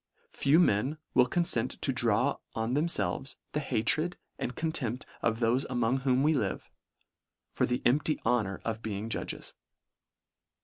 Few men will confent to draw on themfelves the hatred and contempt of those among whom we live, for the empty honour of being judges.